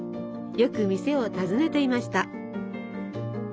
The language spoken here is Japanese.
よく店を訪ねていました。